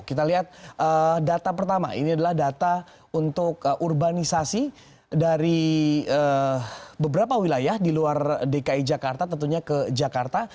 kita lihat data pertama ini adalah data untuk urbanisasi dari beberapa wilayah di luar dki jakarta tentunya ke jakarta